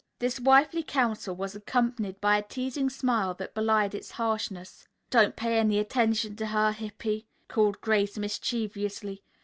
This wifely counsel was accompanied by a teasing smile that belied its harshness. "Don't pay any attention to her, Hippy," called Grace mischievously.